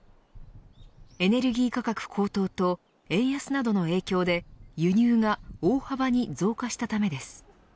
エネルギー価格高騰と円安などの影響で輸入が大幅に増加したためです。